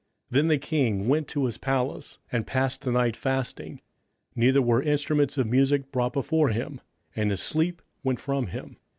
27:006:018 Then the king went to his palace, and passed the night fasting: neither were instruments of musick brought before him: and his sleep went from him.